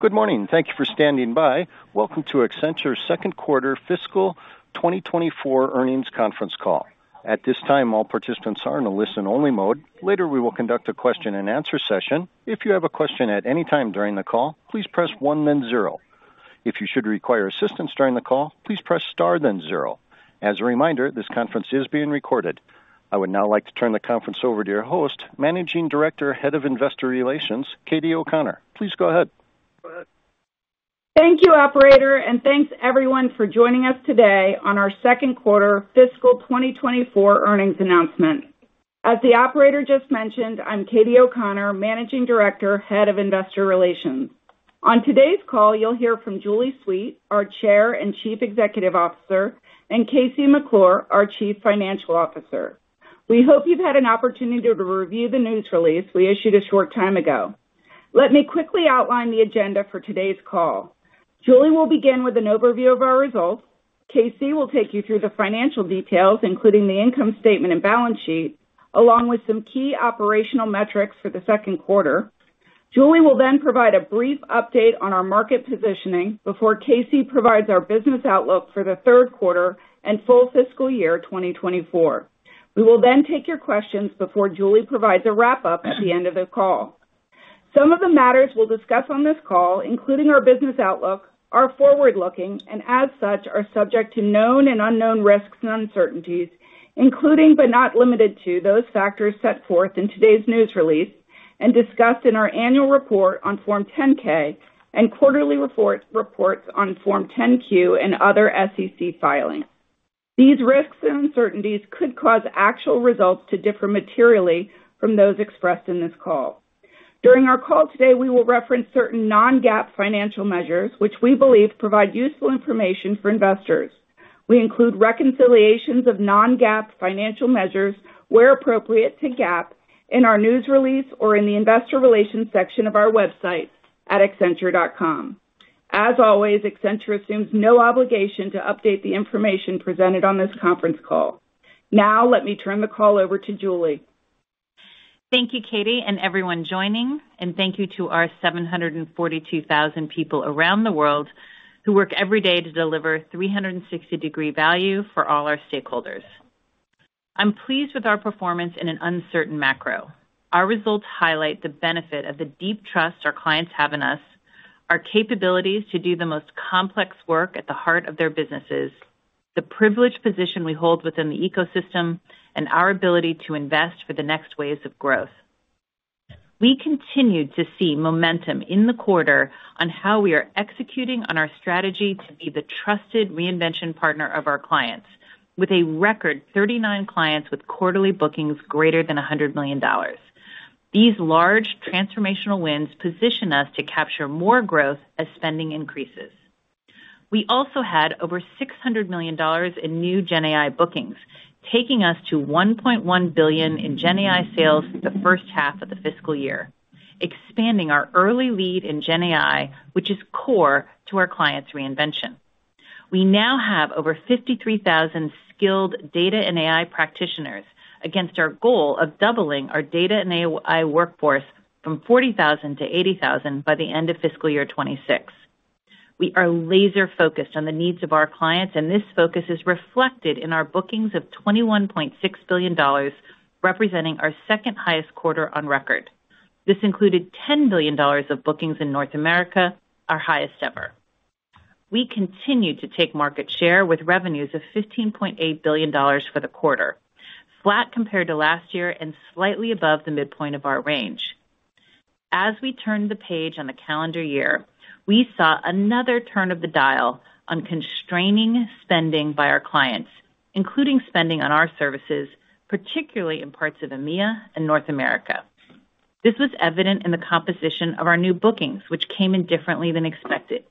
Good morning. Thank you for standing by. Welcome to Accenture's second quarter fiscal 2024 earnings conference call. At this time, all participants are in a listen-only mode. Later, we will conduct a question-and-answer session. If you have a question at any time during the call, please press one, then zero. If you should require assistance during the call, please press star, then zero As a reminder, this conference is being recorded. I would now like to turn the conference over to your host, Managing Director, Head of Investor Relations, Katie O'Connor. Please go ahead. Thank you, Operator, and thanks, everyone, for joining us today on our second quarter fiscal 2024 earnings announcement. As the Operator just mentioned, I'm Katie O'Connor, Managing Director, Head of Investor Relations. On today's call, you'll hear from Julie Sweet, our Chair and Chief Executive Officer, and KC McClure, our Chief Financial Officer. We hope you've had an opportunity to review the news release we issued a short time ago. Let me quickly outline the agenda for today's call. Julie will begin with an overview of our results. KC will take you through the financial details, including the income statement and balance sheet, along with some key operational metrics for the second quarter. Julie will then provide a brief update on our market positioning before KC provides our business outlook for the third quarter and full fiscal year 2024. We will then take your questions before Julie provides a wrap-up at the end of the call. Some of the matters we'll discuss on this call, including our business outlook, are forward-looking and, as such, are subject to known and unknown risks and uncertainties, including but not limited to those factors set forth in today's news release and discussed in our annual report on Form 10-K and quarterly reports on Form 10-Q and other SEC filings. These risks and uncertainties could cause actual results to differ materially from those expressed in this call. During our call today, we will reference certain non-GAAP financial measures, which we believe provide useful information for investors. We include reconciliations of non-GAAP financial measures where appropriate to GAAP in our news release or in the investor relations section of our website at accenture.com. As always, Accenture assumes no obligation to update the information presented on this conference call. Now, let me turn the call over to Julie. Thank you, Katie, and everyone joining, and thank you to our 742,000 people around the world who work every day to deliver 360-degree value for all our stakeholders. I'm pleased with our performance in an uncertain macro. Our results highlight the benefit of the deep trust our clients have in us, our capabilities to do the most complex work at the heart of their businesses, the privileged position we hold within the ecosystem, and our ability to invest for the next waves of growth. We continue to see momentum in the quarter on how we are executing on our strategy to be the trusted reinvention partner of our clients, with a record 39 clients with quarterly bookings greater than $100 million. These large transformational wins position us to capture more growth as spending increases. We also had over $600 million in new GenAI bookings, taking us to $1.1 billion in GenAI sales the first half of the fiscal year, expanding our early lead in GenAI, which is core to our clients' reinvention. We now have over 53,000 skilled data and AI practitioners against our goal of doubling our data and AI workforce from 40,000-80,000 by the end of fiscal year 2026. We are laser-focused on the needs of our clients, and this focus is reflected in our bookings of $21.6 billion, representing our second-highest quarter on record. This included $10 billion of bookings in North America, our highest ever. We continue to take market share with revenues of $15.8 billion for the quarter, flat compared to last year and slightly above the midpoint of our range. As we turned the page on the calendar year, we saw another turn of the dial on constraining spending by our clients, including spending on our services, particularly in parts of EMEA and North America. This was evident in the composition of our new bookings, which came in differently than expected.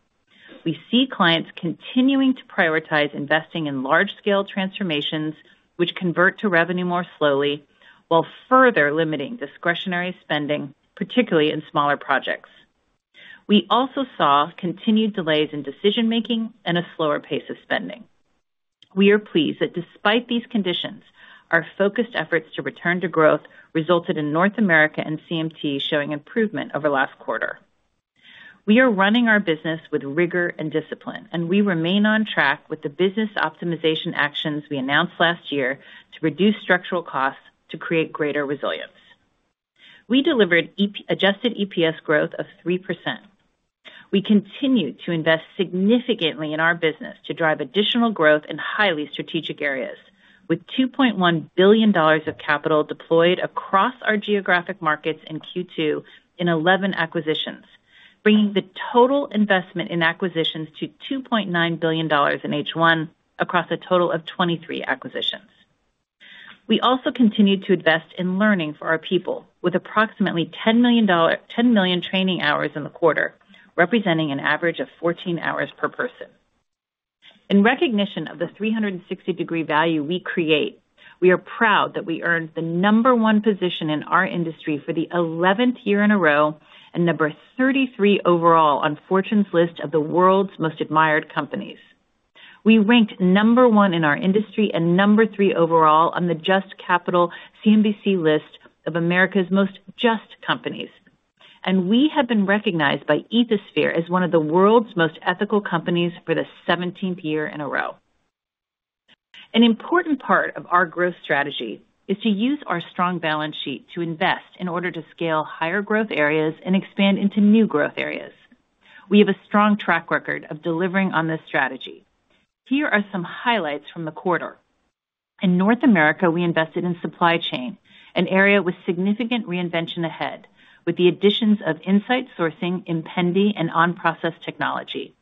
We see clients continuing to prioritize investing in large-scale transformations, which convert to revenue more slowly while further limiting discretionary spending, particularly in smaller projects. We also saw continued delays in decision-making and a slower pace of spending. We are pleased that, despite these conditions, our focused efforts to return to growth resulted in North America and CMT showing improvement over last quarter. We are running our business with rigor and discipline, and we remain on track with the business optimization actions we announced last year to reduce structural costs to create greater resilience. We delivered adjusted EPS growth of 3%. We continue to invest significantly in our business to drive additional growth in highly strategic areas, with $2.1 billion of capital deployed across our geographic markets in Q2 in 11 acquisitions, bringing the total investment in acquisitions to $2.9 billion in H1 across a total of 23 acquisitions. We also continue to invest in learning for our people, with approximately 10 million training hours in the quarter, representing an average of 14 hours per person. In recognition of the 360-degree value we create, we are proud that we earned the number one position in our industry for the 11th year in a row and number 33 overall on Fortune's list of the world's most admired companies. We ranked number one in our industry and number three overall on the JUST Capital CNBC list of America's most JUST companies, and we have been recognized by Ethisphere as one of the world's most ethical companies for the 17th year in a row. An important part of our growth strategy is to use our strong balance sheet to invest in order to scale higher growth areas and expand into new growth areas. We have a strong track record of delivering on this strategy. Here are some highlights from the quarter. In North America, we invested in supply chain, an area with significant reinvention ahead, with the additions of Insight Sourcing, Impendi, and OnProcess Technology.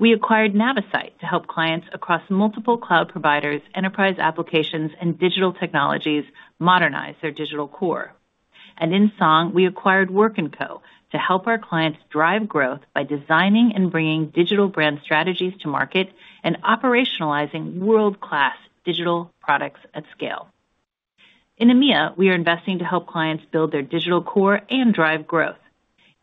We acquired Navisite to help clients across multiple cloud providers, enterprise applications, and digital technologies modernize their digital core. In Song, we acquired Work & Co to help our clients drive growth by designing and bringing digital brand strategies to market and operationalizing world-class digital products at scale. In EMEA, we are investing to help clients build their digital core and drive growth.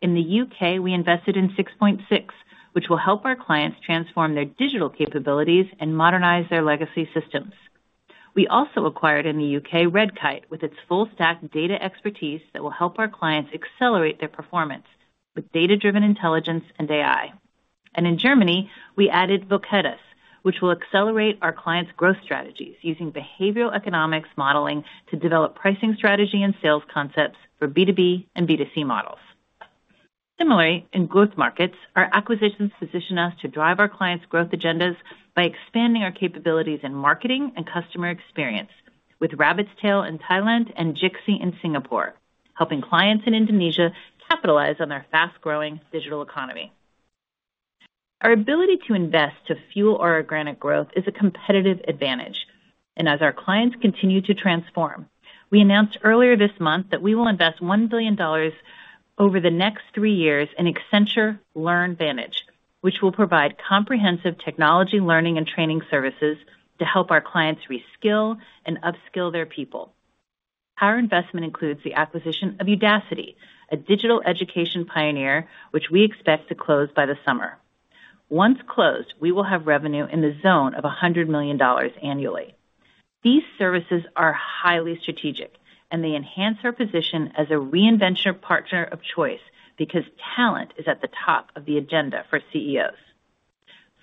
In the U.K., we invested in 6point6, which will help our clients transform their digital capabilities and modernize their legacy systems. We also acquired in the U.K. Redkite with its full-stack data expertise that will help our clients accelerate their performance with data-driven intelligence and AI. In Germany, we added Vocatus, which will accelerate our clients' growth strategies using behavioral economics modeling to develop pricing strategy and sales concepts for B2B and B2C models. Similarly, in growth markets, our acquisitions position us to drive our clients' growth agendas by expanding our capabilities in marketing and customer experience with Rabbit's Tale in Thailand and Jixie in Singapore, helping clients in Indonesia capitalize on their fast-growing digital economy. Our ability to invest to fuel our organic growth is a competitive advantage. And as our clients continue to transform, we announced earlier this month that we will invest $1 billion over the next three years in Accenture LearnVantage, which will provide comprehensive technology learning and training services to help our clients reskill and upskill their people. Our investment includes the acquisition of Udacity, a digital education pioneer, which we expect to close by the summer. Once closed, we will have revenue in the zone of $100 million annually. These services are highly strategic, and they enhance our position as a reinvention partner of choice because talent is at the top of the agenda for CEOs.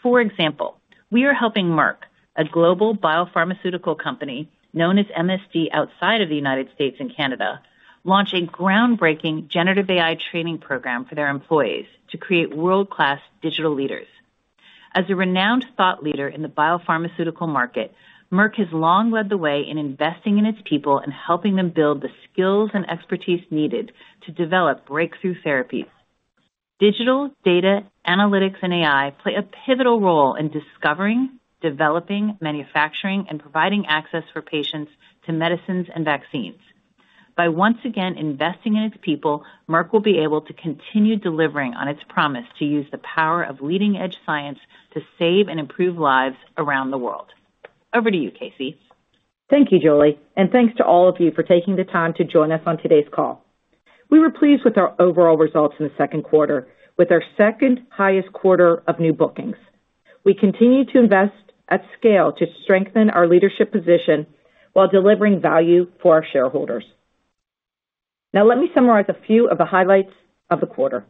For example, we are helping Merck, a global biopharmaceutical company known as MSD outside of the United States and Canada, launch a groundbreaking generative AI training program for their employees to create world-class digital leaders. As a renowned thought leader in the biopharmaceutical market, Merck has long led the way in investing in its people and helping them build the skills and expertise needed to develop breakthrough therapies. Digital, data, analytics, and AI play a pivotal role in discovering, developing, manufacturing, and providing access for patients to medicines and vaccines. By once again investing in its people, Merck will be able to continue delivering on its promise to use the power of leading-edge science to save and improve lives around the world. Over to you, Katie. Thank you, Julie, and thanks to all of you for taking the time to join us on today's call. We were pleased with our overall results in the second quarter, with our second-highest quarter of new bookings. We continue to invest at scale to strengthen our leadership position while delivering value for our shareholders. Now, let me summarize a few of the highlights of the quarter.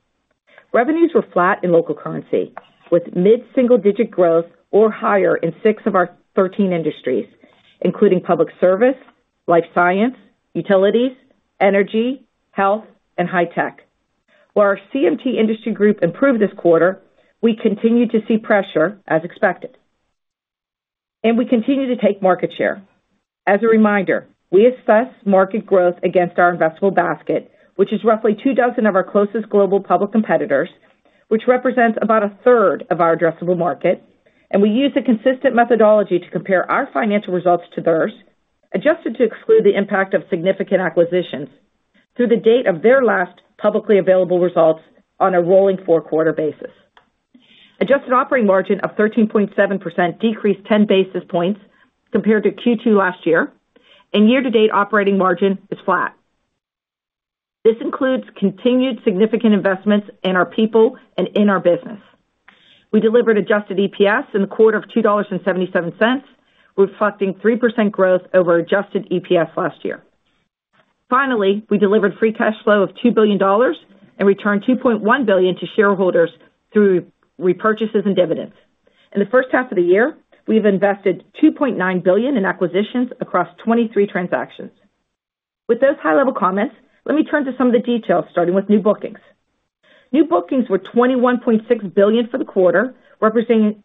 Revenues were flat in local currency, with mid-single-digit growth or higher in six of our 13 industries, including public service, life science, utilities, energy, health, and high-tech. While our CMT industry group improved this quarter, we continue to see pressure as expected, and we continue to take market share. As a reminder, we assess market growth against our investable basket, which is roughly 24 of our closest global public competitors, which represents about a third of our addressable market. We use a consistent methodology to compare our financial results to theirs, adjusted to exclude the impact of significant acquisitions through the date of their last publicly available results on a rolling four-quarter basis. Adjusted operating margin of 13.7% decreased 10 basis points compared to Q2 last year, and year-to-date operating margin is flat. This includes continued significant investments in our people and in our business. We delivered adjusted EPS in the quarter of $2.77, reflecting 3% growth over adjusted EPS last year. Finally, we delivered free cash flow of $2 billion and returned $2.1 billion to shareholders through repurchases and dividends. In the first half of the year, we have invested $2.9 billion in acquisitions across 23 transactions. With those high-level comments, let me turn to some of the details, starting with new bookings. New bookings were $21.6 billion for the quarter, representing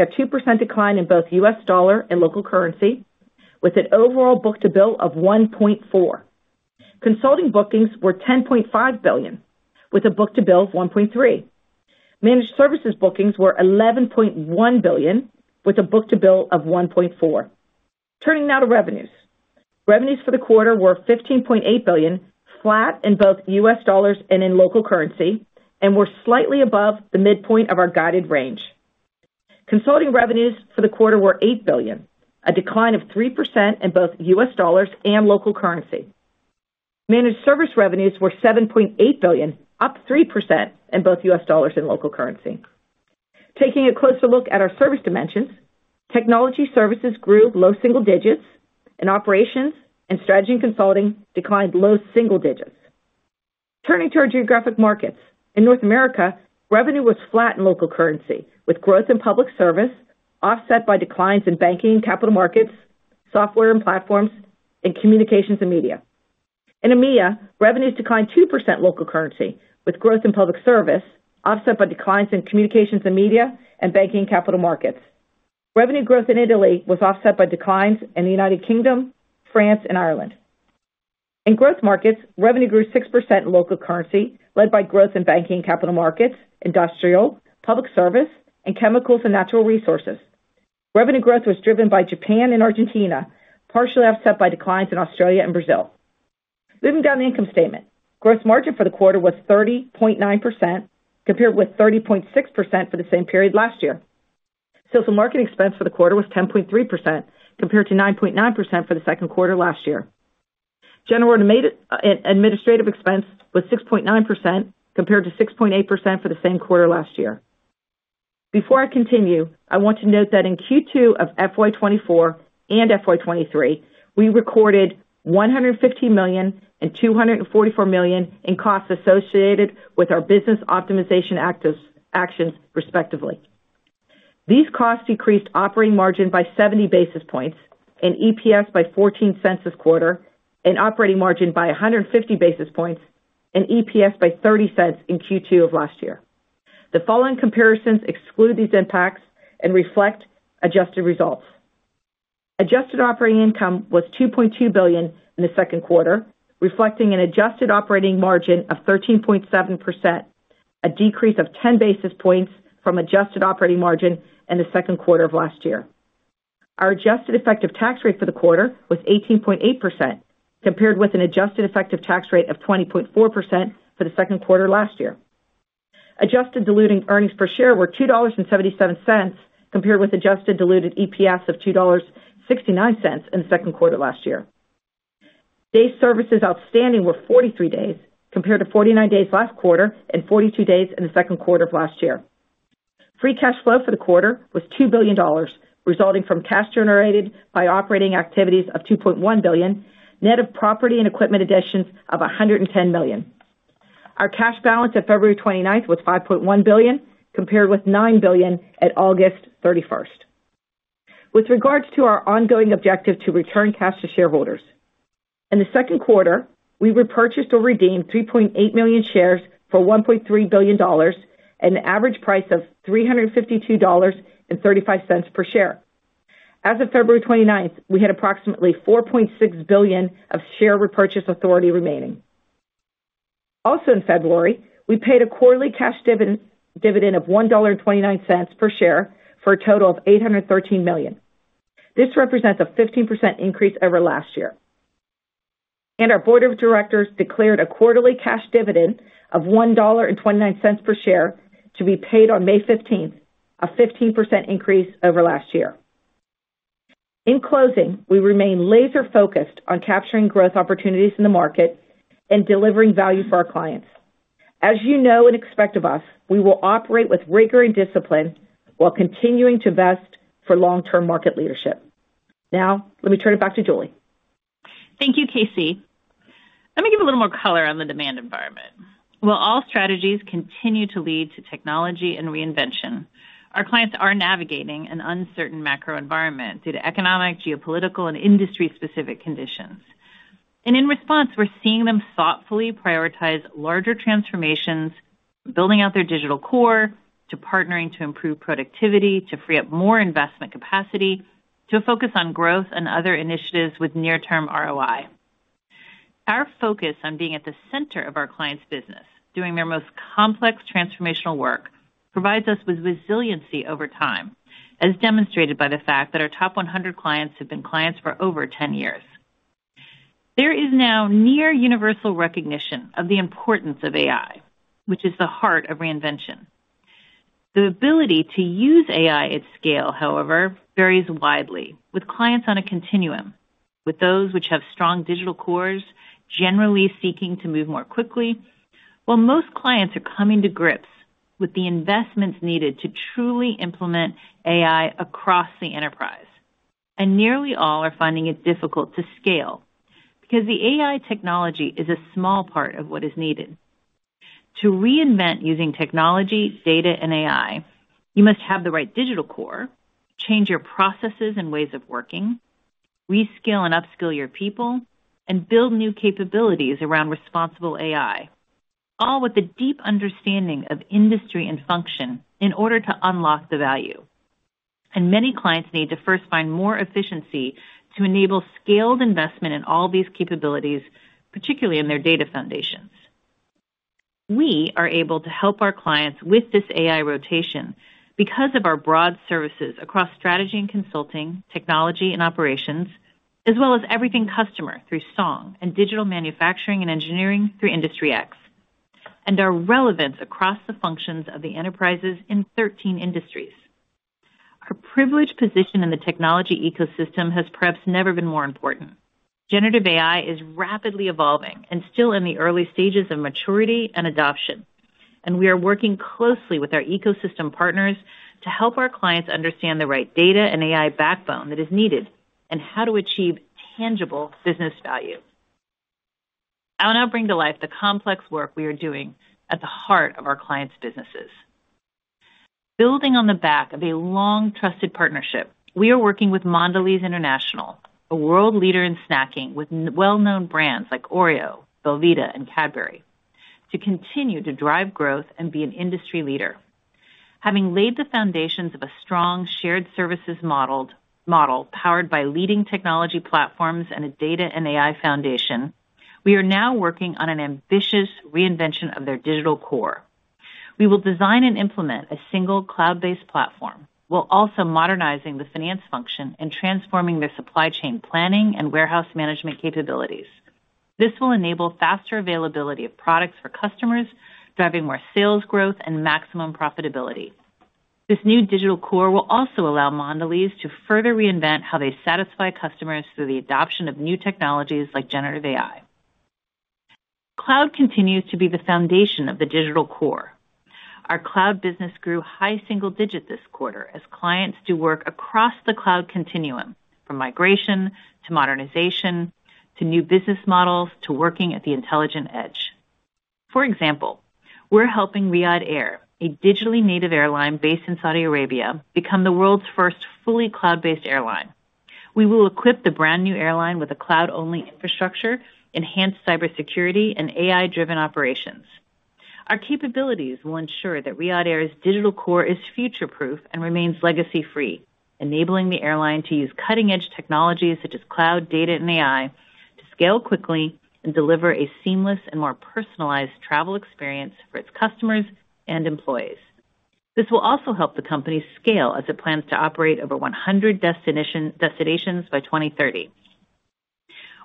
a 2% decline in both U.S. dollar and local currency, with an overall book-to-bill of 1.4. Consulting bookings were $10.5 billion, with a book-to-bill of 1.3. Managed Services bookings were $11.1 billion, with a book-to-bill of 1.4. Turning now to revenues. Revenues for the quarter were $15.8 billion, flat in both U.S. dollars and in local currency, and were slightly above the midpoint of our guided range. Consulting revenues for the quarter were $8 billion, a decline of 3% in both U.S. dollars and local currency. Managed Services revenues were $7.8 billion, up 3% in both U.S. dollars and local currency. Taking a closer look at our service dimensions, Technology services grew low single digits, and Operations and Strategy and Consulting declined low single digits. Turning to our geographic markets. In North America, revenue was flat in local currency, with growth in public service offset by declines in banking and capital markets, software and platforms, and communications and media. In EMEA, revenues declined 2% in local currency, with growth in public service offset by declines in communications and media and banking and capital markets. Revenue growth in Italy was offset by declines in the United Kingdom, France, and Ireland. In growth markets, revenue grew 6% in local currency, led by growth in banking and capital markets, industrial, public service, and chemicals and natural resources. Revenue growth was driven by Japan and Argentina, partially offset by declines in Australia and Brazil. Moving down the income statement, gross margin for the quarter was 30.9% compared with 30.6% for the same period last year. Sales and marketing expense for the quarter was 10.3% compared to 9.9% for the second quarter last year. General administrative expense was 6.9% compared to 6.8% for the same quarter last year. Before I continue, I want to note that in Q2 of FY24 and FY23, we recorded $115 million and $244 million in costs associated with our business optimization actions, respectively. These costs decreased operating margin by 70 basis points and EPS by 14 cents this quarter, and operating margin by 150 basis points and EPS by 30 cents in Q2 of last year. The following comparisons exclude these impacts and reflect adjusted results. Adjusted operating income was $2.2 billion in the second quarter, reflecting an adjusted operating margin of 13.7%, a decrease of 10 basis points from adjusted operating margin in the second quarter of last year. Our adjusted effective tax rate for the quarter was 18.8% compared with an adjusted effective tax rate of 20.4% for the second quarter last year. Adjusted diluted earnings per share were $2.77 compared with adjusted diluted EPS of $2.69 in the second quarter last year. Days services outstanding were 43 days compared to 49 days last quarter and 42 days in the second quarter of last year. Free cash flow for the quarter was $2 billion, resulting from cash generated by operating activities of $2.1 billion, net of property and equipment additions of $110 million. Our cash balance of February 29th was $5.1 billion compared with $9 billion at August 31st. With regards to our ongoing objective to return cash to shareholders. In the second quarter, we repurchased or redeemed 3.8 million shares for $1.3 billion, at an average price of $352.35 per share. As of February 29th, we had approximately $4.6 billion of share repurchase authority remaining. Also in February, we paid a quarterly cash dividend of $1.29 per share for a total of $813 million. This represents a 15% increase over last year. And our board of directors declared a quarterly cash dividend of $1.29 per share to be paid on May 15th, a 15% increase over last year. In closing, we remain laser-focused on capturing growth opportunities in the market and delivering value for our clients. As you know and expect of us, we will operate with rigor and discipline while continuing to vest for long-term market leadership. Now, let me turn it back to Julie. Thank you, KC. Let me give a little more color on the demand environment. While all strategies continue to lead to technology and reinvention, our clients are navigating an uncertain macro environment due to economic, geopolitical, and industry-specific conditions. In response, we're seeing them thoughtfully prioritize larger transformations, building out their digital core to partnering to improve productivity, to free up more investment capacity, to focus on growth and other initiatives with near-term ROI. Our focus on being at the center of our clients' business, doing their most complex transformational work, provides us with resiliency over time, as demonstrated by the fact that our top 100 clients have been clients for over 10 years. There is now near-universal recognition of the importance of AI, which is the heart of reinvention. The ability to use AI at scale, however, varies widely, with clients on a continuum, with those which have strong Digital Cores generally seeking to move more quickly, while most clients are coming to grips with the investments needed to truly implement AI across the enterprise. Nearly all are finding it difficult to scale because the AI technology is a small part of what is needed. To reinvent using technology, data, and AI, you must have the right Digital Core, change your processes and ways of working, reskill and upskill your people, and build new capabilities around responsible AI, all with a deep understanding of industry and function in order to unlock the value. Many clients need to first find more efficiency to enable scaled investment in all these capabilities, particularly in their data foundations. We are able to help our clients with this AI rotation because of our broad services across strategy and consulting, technology and operations, as well as everything customer through Song and digital manufacturing and engineering through Industry X, and our relevance across the functions of the enterprises in 13 industries. Our privileged position in the technology ecosystem has perhaps never been more important. Generative AI is rapidly evolving and still in the early stages of maturity and adoption. We are working closely with our ecosystem partners to help our clients understand the right data and AI backbone that is needed and how to achieve tangible business value. I will now bring to life the complex work we are doing at the heart of our clients' businesses. Building on the back of a long-trusted partnership, we are working with Mondelēz International, a world leader in snacking with well-known brands like Oreo, belVita, and Cadbury, to continue to drive growth and be an industry leader. Having laid the foundations of a strong shared services model powered by leading technology platforms and a data and AI foundation, we are now working on an ambitious reinvention of their digital core. We will design and implement a single cloud-based platform while also modernizing the finance function and transforming their supply chain planning and warehouse management capabilities. This will enable faster availability of products for customers, driving more sales growth and maximum profitability. This new digital core will also allow Mondelēz to further reinvent how they satisfy customers through the adoption of new technologies like generative AI. Cloud continues to be the foundation of the digital core. Our cloud business grew high single digit this quarter as clients do work across the cloud continuum from migration to modernization to new business models to working at the intelligent edge. For example, we're helping Riyadh Air, a digitally native airline based in Saudi Arabia, become the world's first fully cloud-based airline. We will equip the brand new airline with a cloud-only infrastructure, enhance cybersecurity, and AI-driven operations. Our capabilities will ensure that Riyadh Air's digital core is future-proof and remains legacy-free, enabling the airline to use cutting-edge technologies such as cloud, data, and AI to scale quickly and deliver a seamless and more personalized travel experience for its customers and employees. This will also help the company scale as it plans to operate over 100 destinations by 2030.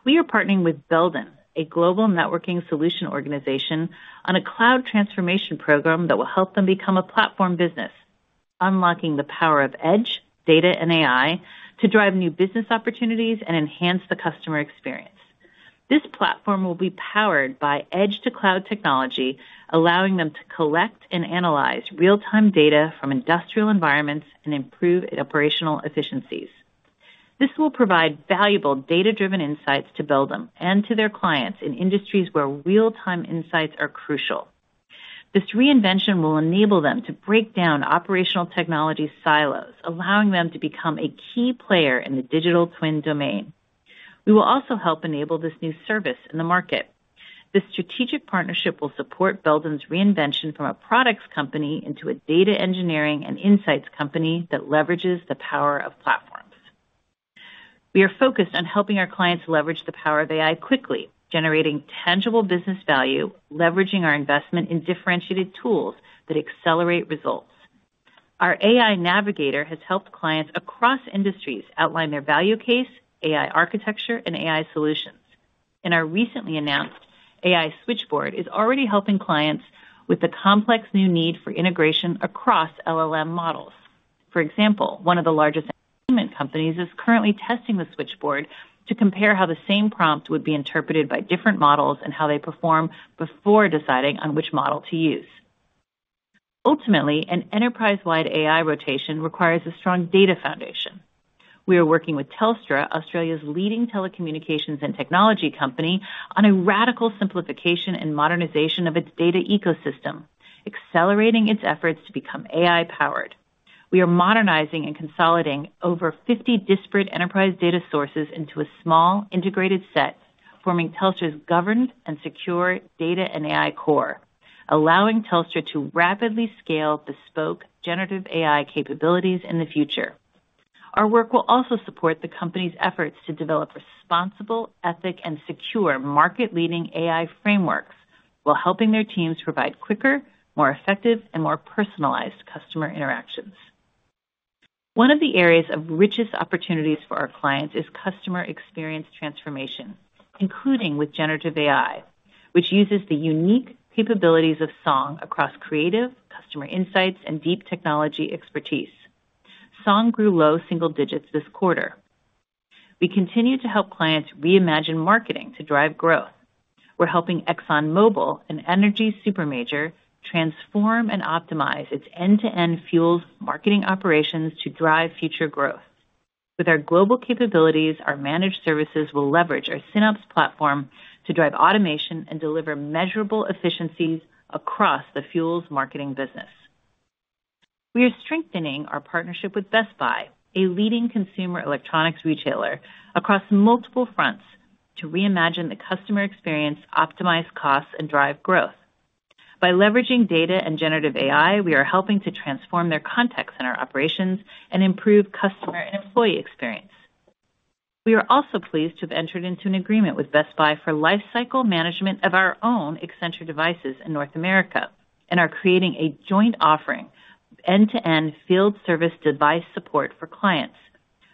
We are partnering with Belden, a global networking solution organization, on a cloud transformation program that will help them become a platform business, unlocking the power of edge, data, and AI to drive new business opportunities and enhance the customer experience. This platform will be powered by edge-to-cloud technology, allowing them to collect and analyze real-time data from industrial environments and improve operational efficiencies. This will provide valuable data-driven insights to Belden and to their clients in industries where real-time insights are crucial. This reinvention will enable them to break down operational technology silos, allowing them to become a key player in the digital twin domain. We will also help enable this new service in the market. This strategic partnership will support Belden's reinvention from a products company into a data engineering and insights company that leverages the power of platforms. We are focused on helping our clients leverage the power of AI quickly, generating tangible business value, leveraging our investment in differentiated tools that accelerate results. Our AI Navigator has helped clients across industries outline their value case, AI architecture, and AI solutions. Our recently announced AI Switchboard is already helping clients with the complex new need for integration across LLM models. For example, one of the largest entertainment companies is currently testing the Switchboard to compare how the same prompt would be interpreted by different models and how they perform before deciding on which model to use. Ultimately, an enterprise-wide AI rotation requires a strong data foundation. We are working with Telstra, Australia's leading telecommunications and technology company, on a radical simplification and modernization of its data ecosystem, accelerating its efforts to become AI-powered. We are modernizing and consolidating over 50 disparate enterprise data sources into a small integrated set, forming Telstra's governed and secure data and AI core, allowing Telstra to rapidly scale bespoke generative AI capabilities in the future. Our work will also support the company's efforts to develop responsible, ethical, and secure market-leading AI frameworks while helping their teams provide quicker, more effective, and more personalized customer interactions. One of the areas of richest opportunities for our clients is customer experience transformation, including with generative AI, which uses the unique capabilities of SONG across creative customer insights and deep technology expertise. SONG grew low single digits this quarter. We continue to help clients reimagine marketing to drive growth. We're helping ExxonMobil, an energy super major, transform and optimize its end-to-end fuels marketing operations to drive future growth. With our global capabilities, our managed services will leverage our SynOps platform to drive automation and deliver measurable efficiencies across the fuels marketing business. We are strengthening our partnership with Best Buy, a leading consumer electronics retailer, across multiple fronts to reimagine the customer experience, optimize costs, and drive growth. By leveraging data and generative AI, we are helping to transform their contact center in our operations and improve customer and employee experience. We are also pleased to have entered into an agreement with Best Buy for lifecycle management of our own Accenture devices in North America and are creating a joint offering, end-to-end field service device support for clients.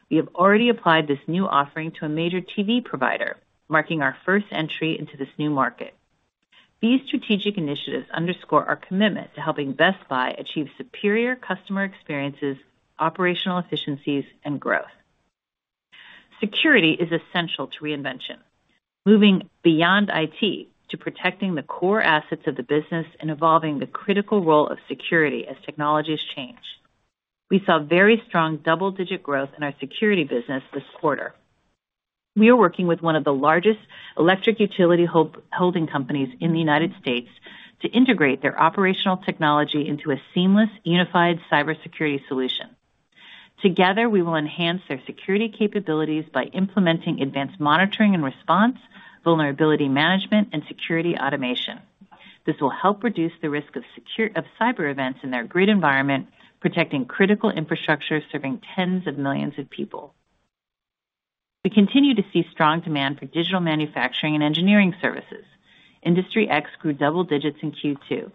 We have already applied this new offering to a major TV provider, marking our first entry into this new market. These strategic initiatives underscore our commitment to helping Best Buy achieve superior customer experiences, operational efficiencies, and growth. Security is essential to reinvention, moving beyond IT to protecting the core assets of the business and evolving the critical role of security as technologies change. We saw very strong double-digit growth in our security business this quarter. We are working with one of the largest electric utility holding companies in the United States to integrate their operational technology into a seamless, unified cybersecurity solution. Together, we will enhance their security capabilities by implementing advanced monitoring and response, vulnerability management, and security automation. This will help reduce the risk of cyber events in their grid environment, protecting critical infrastructure serving tens of millions of people. We continue to see strong demand for digital manufacturing and engineering services. Industry X grew double digits in Q2.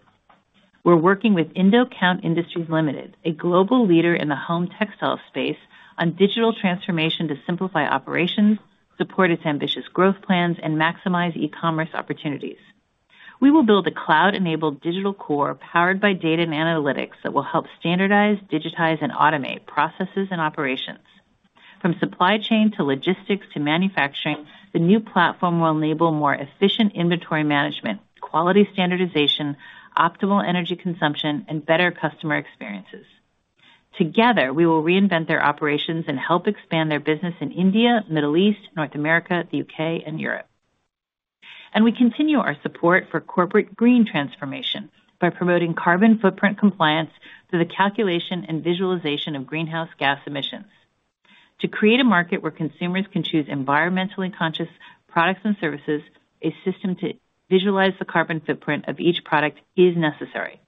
We're working with Indo Count Industries Limited, a global leader in the home textile space, on digital transformation to simplify operations, support its ambitious growth plans, and maximize e-commerce opportunities. We will build a cloud-enabled digital core powered by data and analytics that will help standardize, digitize, and automate processes and operations. From supply chain to logistics to manufacturing, the new platform will enable more efficient inventory management, quality standardization, optimal energy consumption, and better customer experiences. Together, we will reinvent their operations and help expand their business in India, Middle East, North America, the U.K., and Europe. And we continue our support for corporate green transformation by promoting carbon footprint compliance through the calculation and visualization of greenhouse gas emissions. To create a market where consumers can choose environmentally conscious products and services, a system to visualize the carbon footprint of each product is necessary.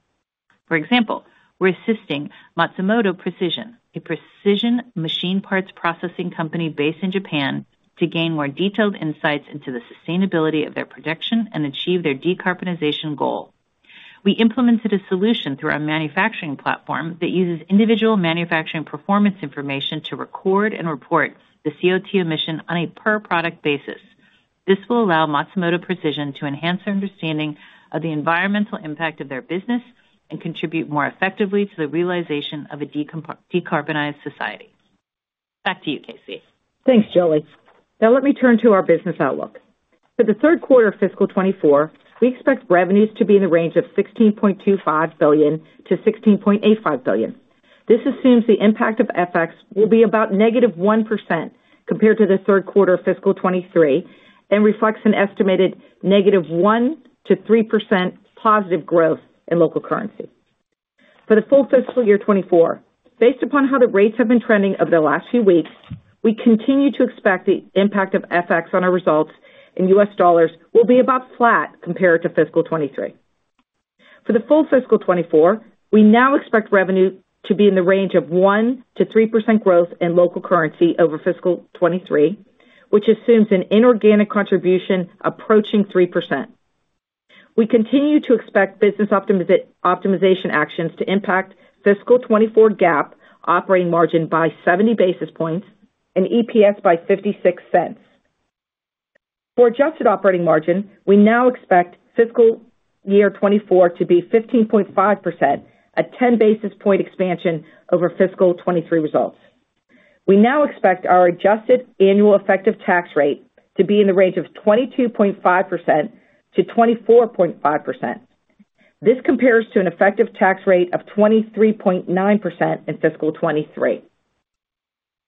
For example, we're assisting Matsumoto Precision, a precision machine parts processing company based in Japan, to gain more detailed insights into the sustainability of their production and achieve their decarbonization goal. We implemented a solution through our manufacturing platform that uses individual manufacturing performance information to record and report the CO2 emission on a per-product basis. This will allow Matsumoto Precision to enhance their understanding of the environmental impact of their business and contribute more effectively to the realization of a decarbonized society. Back to you, KC. Thanks, Julie. Now, let me turn to our business outlook. For the third quarter of fiscal 2024, we expect revenues to be in the range of $16.25 billion-$16.85 billion. This assumes the impact of FX will be about negative 1% compared to the third quarter of fiscal 2023 and reflects an estimated negative 1%-3% positive growth in local currency. For the full fiscal year 2024, based upon how the rates have been trending over the last few weeks, we continue to expect the impact of FX on our results in U.S. dollars will be about flat compared to fiscal 2023. For the full fiscal 2024, we now expect revenue to be in the range of 1%-3% growth in local currency over fiscal 2023, which assumes an inorganic contribution approaching 3%. We continue to expect business optimization actions to impact fiscal 2024 GAAP operating margin by 70 basis points and EPS by $0.56. For adjusted operating margin, we now expect fiscal year 2024 to be 15.5%, a 10 basis point expansion over fiscal 2023 results. We now expect our adjusted annual effective tax rate to be in the range of 22.5%-24.5%. This compares to an effective tax rate of 23.9% in fiscal 2023.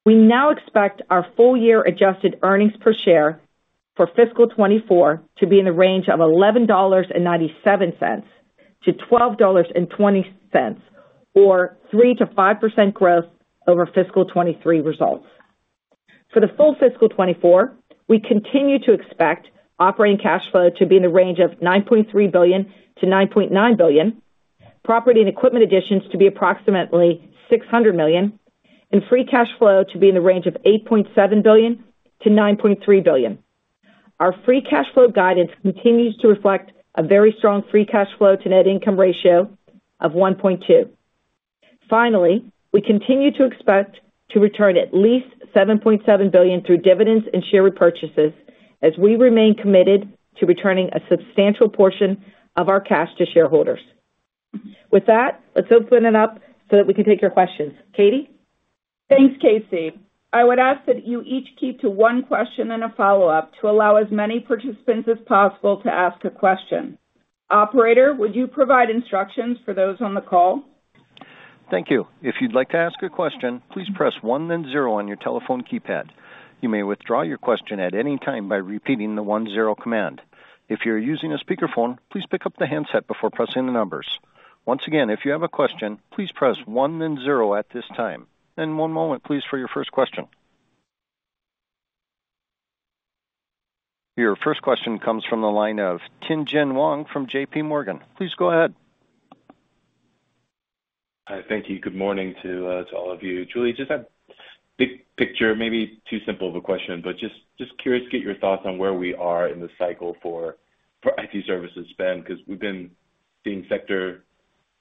We now expect our full year adjusted earnings per share for fiscal 2024 to be in the range of $11.97-$12.20, or 3%-5% growth over fiscal 2023 results. For the full fiscal 2024, we continue to expect operating cash flow to be in the range of $9.3 billion-$9.9 billion, property and equipment additions to be approximately $600 million, and free cash flow to be in the range of $8.7 billion-$9.3 billion. Our free cash flow guidance continues to reflect a very strong free cash flow to net income ratio of 1.2. Finally, we continue to expect to return at least $7.7 billion through dividends and share repurchases as we remain committed to returning a substantial portion of our cash to shareholders. With that, let's open it up so that we can take your questions. Katie? Thanks, KC. I would ask that you each keep to one question and a follow-up to allow as many participants as possible to ask a question. Operator, would you provide instructions for those on the call? Thank you. If you'd like to ask a question, please press one then zero on your telephone keypad. You may withdraw your question at any time by repeating the one zero command. If you're using a speakerphone, please pick up the handset before pressing the numbers. Once again, if you have a question, please press thenzero this time. One moment, please, for your first question. Your first question comes from the line of Tien-tsin Huang from JPMorgan. Please go ahead. Thank you. Good morning to all of you. Julie, just a big picture, maybe too simple of a question, but just curious to get your thoughts on where we are in the cycle for IT services spend because we've been seeing sector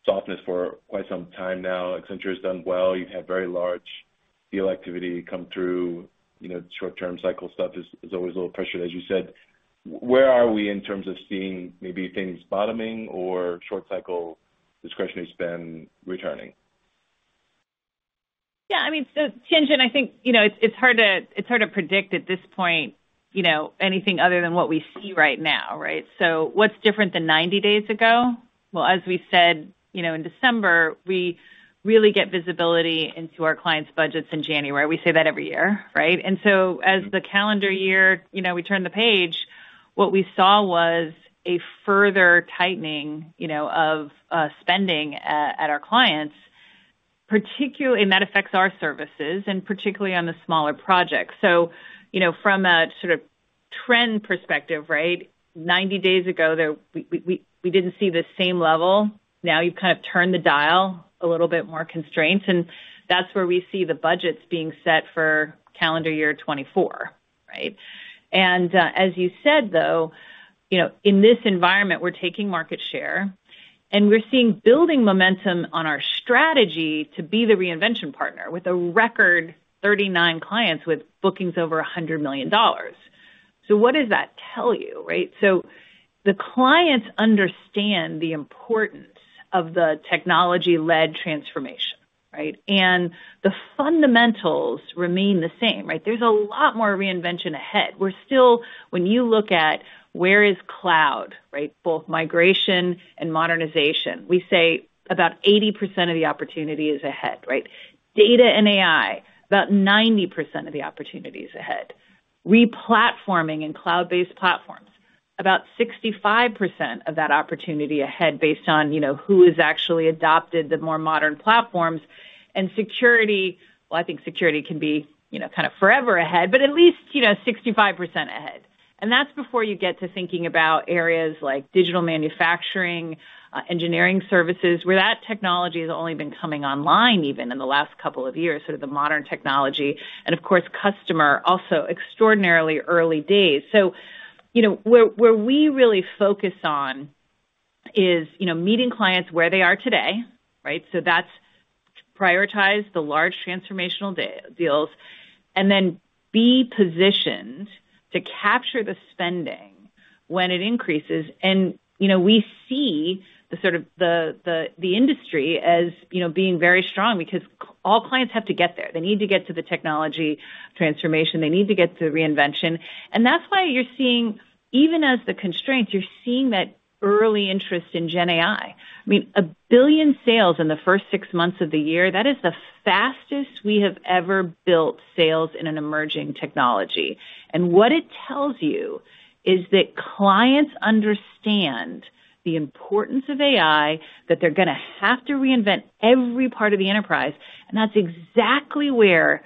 softness for quite some time now. Accenture has done well. You've had very large deal activity come through. Short-term cycle stuff is always a little pressured, as you said. Where are we in terms of seeing maybe things bottoming or short-cycle discretionary spend returning? Yeah. I mean, so Tien-tsin, I think it's hard to predict at this point anything other than what we see right now, right? So what's different than 90 days ago? Well, as we said in December, we really get visibility into our clients' budgets in January. We say that every year, right? And so as the calendar year we turn the page, what we saw was a further tightening of spending at our clients, and that affects our services and particularly on the smaller projects. So from a sort of trend perspective, right, 90 days ago, we didn't see the same level. Now, you've kind of turned the dial a little bit more constraints, and that's where we see the budgets being set for calendar year 2024, right? And as you said, though, in this environment, we're taking market share, and we're seeing building momentum on our strategy to be the reinvention partner with a record 39 clients with bookings over $100 million. So what does that tell you, right? So the clients understand the importance of the technology-led transformation, right? And the fundamentals remain the same, right? There's a lot more reinvention ahead. When you look at where is cloud, right, both migration and modernization, we say about 80% of the opportunity is ahead, right? Data and AI, about 90% of the opportunity is ahead. Replatforming and cloud-based platforms, about 65% of that opportunity ahead based on who has actually adopted the more modern platforms. And security well, I think security can be kind of forever ahead, but at least 65% ahead. And that's before you get to thinking about areas like digital manufacturing, engineering services, where that technology has only been coming online even in the last couple of years, sort of the modern technology, and of course, customer also extraordinarily early days. So where we really focus on is meeting clients where they are today, right? So that's prioritize the large transformational deals and then be positioned to capture the spending when it increases. And we see the sort of the industry as being very strong because all clients have to get there. They need to get to the technology transformation. They need to get to reinvention. And that's why you're seeing even as the constraints, you're seeing that early interest in GenAI. I mean, $1 billion in sales in the first six months of the year, that is the fastest we have ever built sales in an emerging technology. What it tells you is that clients understand the importance of AI, that they're going to have to reinvent every part of the enterprise. That's exactly where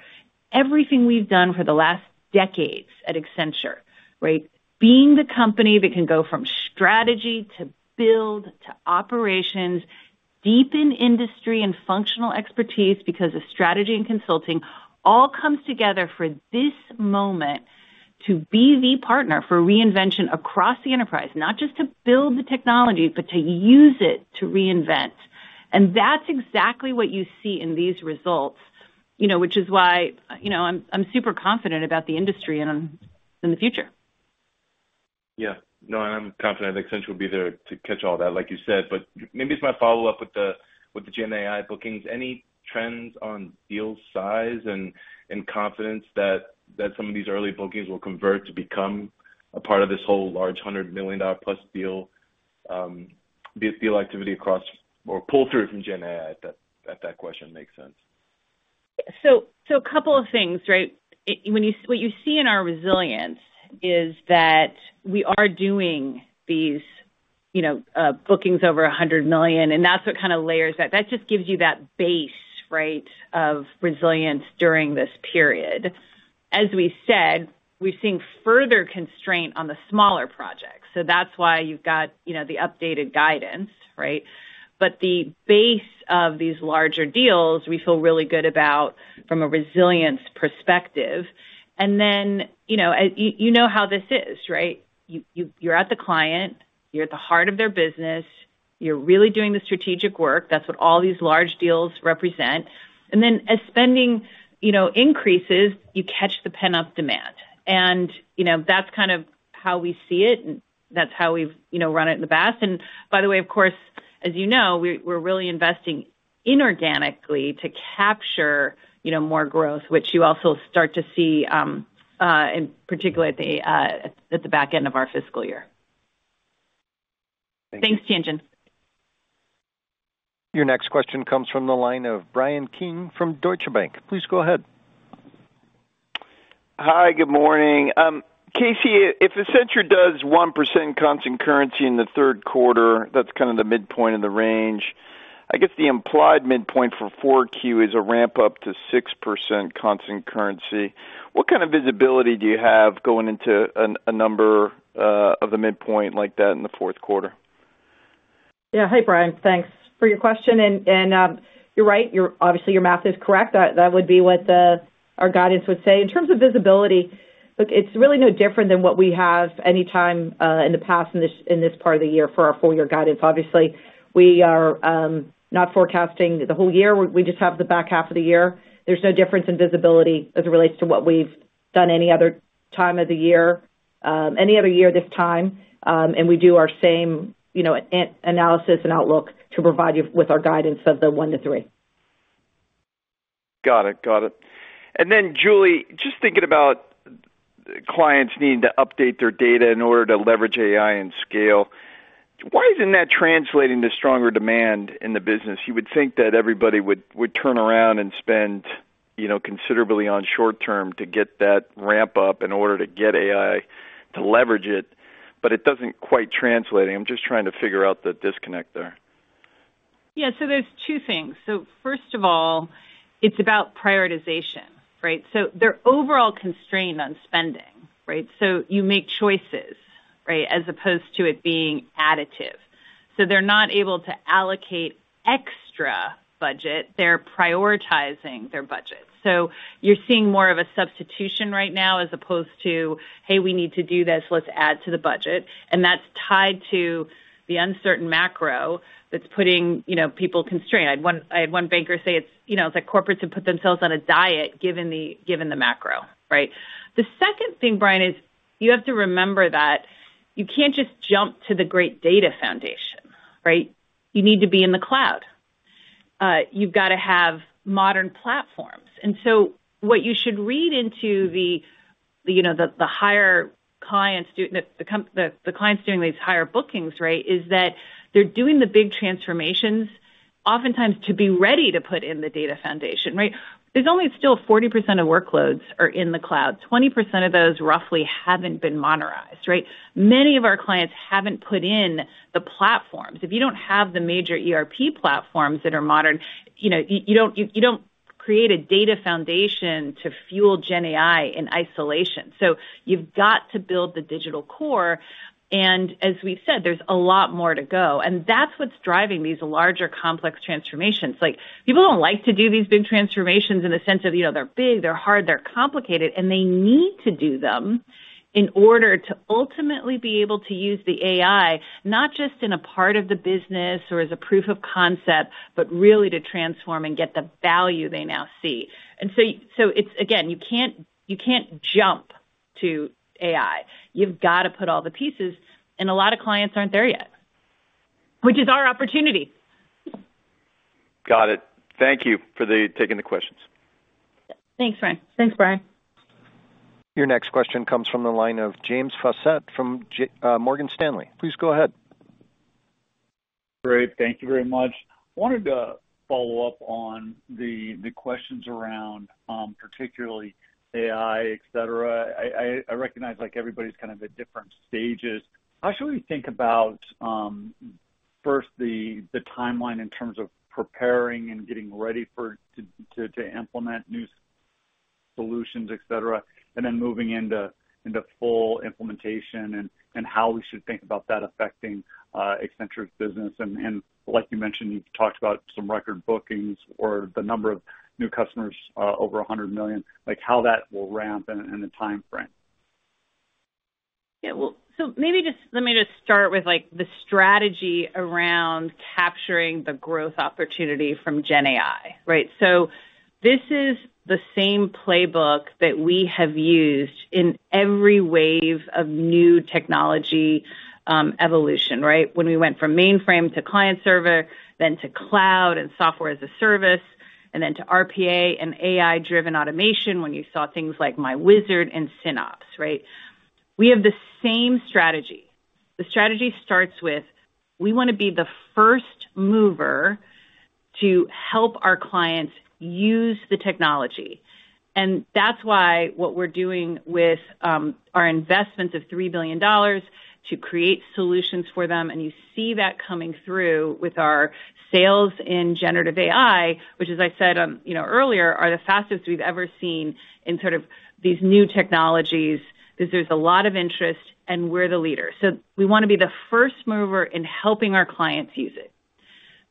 everything we've done for the last decades at Accenture, right, being the company that can go from strategy to build to operations, deep in industry and functional expertise because of strategy and consulting, all comes together for this moment to be the partner for reinvention across the enterprise, not just to build the technology, but to use it to reinvent. That's exactly what you see in these results, which is why I'm super confident about the industry and in the future. Yeah. No, and I'm confident that Accenture will be there to catch all that, like you said. But maybe it's my follow-up with the GenAI bookings. Any trends on deal size and confidence that some of these early bookings will convert to become a part of this whole large $100 million-plus deal activity across or pull through from GenAI, if that question makes sense? So a couple of things, right? What you see in our resilience is that we are doing these bookings over $100 million, and that's what kind of layers that. That just gives you that base, right, of resilience during this period. As we said, we're seeing further constraint on the smaller projects. So that's why you've got the updated guidance, right? But the base of these larger deals, we feel really good about from a resilience perspective. And then you know how this is, right? You're at the client. You're at the heart of their business. You're really doing the strategic work. That's what all these large deals represent. And then as spending increases, you catch the pent-up demand. And that's kind of how we see it, and that's how we've run it in the past. By the way, of course, as you know, we're really investing inorganically to capture more growth, which you also start to see in particular at the back end of our fiscal year. Thanks, Tien-Tsin. Your next question comes from the line of Bryan Keane from Deutsche Bank. Please go ahead. Hi. Good morning. KC, if Accenture does 1% constant currency in the third quarter, that's kind of the midpoint of the range. I guess the implied midpoint for 4Q is a ramp-up to 6% constant currency. What kind of visibility do you have going into a number of the midpoint like that in the fourth quarter? Yeah. Hey, Bryan. Thanks for your question. And you're right. Obviously, your math is correct. That would be what our guidance would say. In terms of visibility, look, it's really no different than what we have any time in the past in this part of the year for our full-year guidance. Obviously, we are not forecasting the whole year. We just have the back half of the year. There's no difference in visibility as it relates to what we've done any other time of the year, any other year this time. And we do our same analysis and outlook to provide you with our guidance of the one to three. Got it. Got it. And then, Julie, just thinking about clients needing to update their data in order to leverage AI and scale, why isn't that translating to stronger demand in the business? You would think that everybody would turn around and spend considerably on short-term to get that ramp-up in order to get AI to leverage it, but it doesn't quite translate. I'm just trying to figure out the disconnect there. Yeah. So there's two things. So first of all, it's about prioritization, right? So their overall constraint on spending, right? So you make choices, right, as opposed to it being additive. So they're not able to allocate extra budget. They're prioritizing their budget. So you're seeing more of a substitution right now as opposed to, "Hey, we need to do this. Let's add to the budget." And that's tied to the uncertain macro that's putting people constrained. I had one banker say it's like corporates have put themselves on a diet given the macro, right? The second thing, Bryan, is you have to remember that you can't just jump to the great data foundation, right? You need to be in the cloud. You've got to have modern platforms. What you should read into the larger clients doing these larger bookings, right, is that they're doing the big transformations, oftentimes to be ready to put in the data foundation, right? There's only still 40% of workloads are in the cloud. Roughly 20% of those haven't been monetized, right? Many of our clients haven't put in the platforms. If you don't have the major ERP platforms that are modern, you don't create a data foundation to fuel GenAI in isolation. You've got to build the digital core. And as we've said, there's a lot more to go. And that's what's driving these larger complex transformations. People don't like to do these big transformations in the sense of they're big, they're hard, they're complicated, and they need to do them in order to ultimately be able to use the AI not just in a part of the business or as a proof of concept, but really to transform and get the value they now see. And so again, you can't jump to AI. You've got to put all the pieces. And a lot of clients aren't there yet, which is our opportunity. Got it. Thank you for taking the questions. Thanks, Bryan. Thanks, Bryan. Your next question comes from the line of James Faucette from Morgan Stanley. Please go ahead. Great. Thank you very much. I wanted to follow up on the questions around particularly AI, etc. I recognize everybody's kind of at different stages. How should we think about first the timeline in terms of preparing and getting ready to implement new solutions, etc., and then moving into full implementation and how we should think about that affecting Accenture's business? Like you mentioned, you've talked about some record bookings or the number of new customers, over 100 million, how that will ramp in the timeframe. Yeah. Well, so maybe just let me just start with the strategy around capturing the growth opportunity from GenAI, right? So this is the same playbook that we have used in every wave of new technology evolution, right? When we went from mainframe to client-server, then to cloud and software as a service, and then to RPA and AI-driven automation when you saw things like myWizard and SynOps, right? We have the same strategy. The strategy starts with, "We want to be the first mover to help our clients use the technology." And that's why what we're doing with our investments of $3 billion to create solutions for them. And you see that coming through with our sales in generative AI, which, as I said earlier, are the fastest we've ever seen in sort of these new technologies because there's a lot of interest, and we're the leader. So we want to be the first mover in helping our clients use it.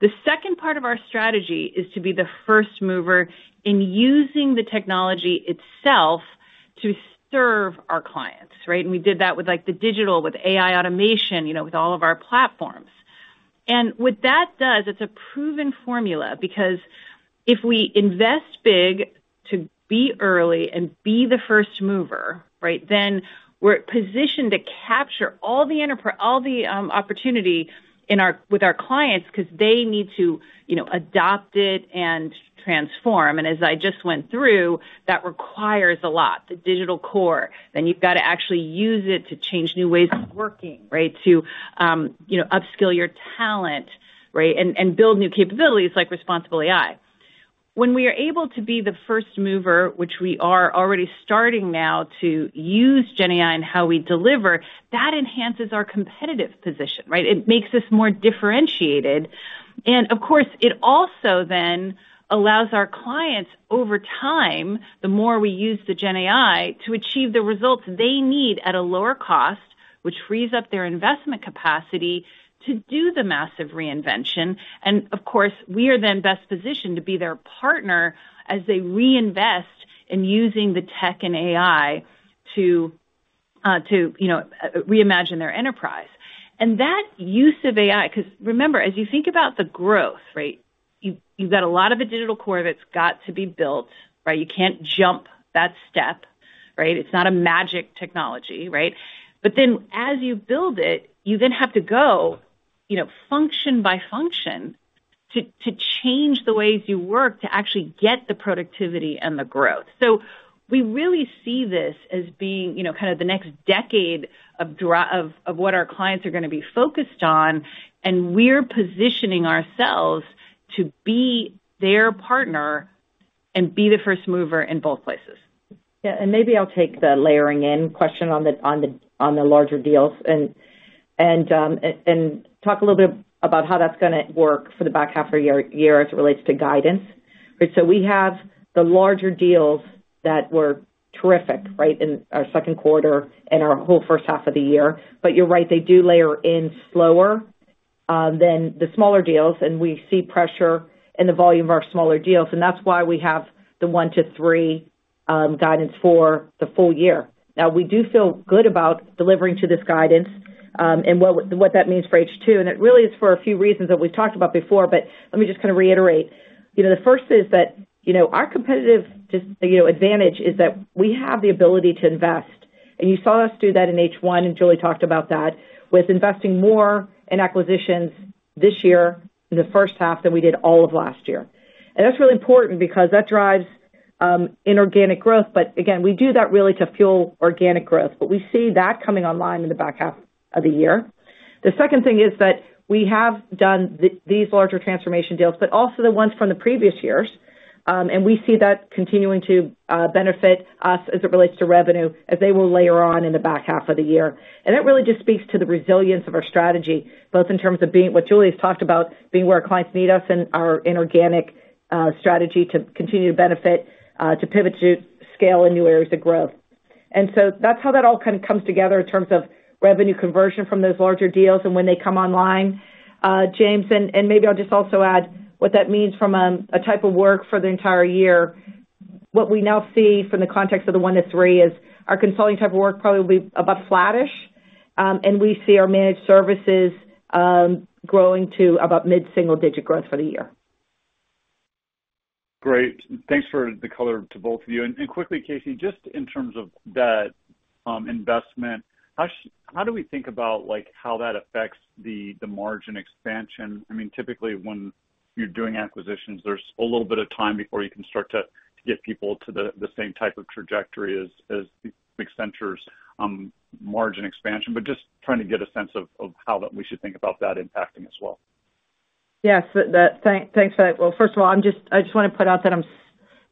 The second part of our strategy is to be the first mover in using the technology itself to serve our clients, right? We did that with the digital, with AI automation, with all of our platforms. What that does, it's a proven formula because if we invest big to be early and be the first mover, right, then we're positioned to capture all the opportunity with our clients because they need to adopt it and transform. As I just went through, that requires a lot, the digital core. You've got to actually use it to change new ways of working, right, to upskill your talent, right, and build new capabilities like responsible AI. When we are able to be the first mover, which we are already starting now to use GenAI in how we deliver, that enhances our competitive position, right? It makes us more differentiated. And of course, it also then allows our clients, over time, the more we use the GenAI, to achieve the results they need at a lower cost, which frees up their investment capacity to do the massive reinvention. And of course, we are then best positioned to be their partner as they reinvest in using the tech and AI to reimagine their enterprise. And that use of AI because remember, as you think about the growth, right, you've got a lot of the Digital Core that's got to be built, right? You can't jump that step, right? It's not a magic technology, right? But then as you build it, you then have to go function by function to change the ways you work to actually get the productivity and the growth. So we really see this as being kind of the next decade of what our clients are going to be focused on. And we're positioning ourselves to be their partner and be the first mover in both places. Yeah. And maybe I'll take the layering-in question on the larger deals and talk a little bit about how that's going to work for the back half of the year as it relates to guidance, right? So we have the larger deals that were terrific, right, in our second quarter and our whole first half of the year. But you're right. They do layer in slower than the smaller deals. And we see pressure in the volume of our smaller deals. And that's why we have the 1-3 guidance for the full year. Now, we do feel good about delivering to this guidance and what that means for H2. And it really is for a few reasons that we've talked about before. But let me just kind of reiterate. The first is that our competitive advantage is that we have the ability to invest. You saw us do that in H1, and Julie talked about that, with investing more in acquisitions this year in the first half than we did all of last year. That's really important because that drives inorganic growth. But again, we do that really to fuel organic growth. But we see that coming online in the back half of the year. The second thing is that we have done these larger transformation deals, but also the ones from the previous years. And we see that continuing to benefit us as it relates to revenue as they will layer on in the back half of the year. And that really just speaks to the resilience of our strategy, both in terms of what Julie has talked about, being where our clients need us and our inorganic strategy to continue to benefit, to pivot to scale in new areas of growth. And so that's how that all kind of comes together in terms of revenue conversion from those larger deals and when they come online, James. And maybe I'll just also add what that means from a type of work for the entire year. What we now see from the context of the 1-3 is our consulting type of work probably will be about flattish. And we see our managed services growing to about mid-single-digit growth for the year. Great. Thanks for the color to both of you. And quickly, KC, just in terms of that investment, how do we think about how that affects the margin expansion? I mean, typically, when you're doing acquisitions, there's a little bit of time before you can start to get people to the same type of trajectory as Accenture's margin expansion. But just trying to get a sense of how we should think about that impacting as well. Yes. Thanks for that. Well, first of all, I just want to put out that I'm